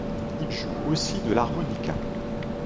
Il joue aussi de l'harmonica.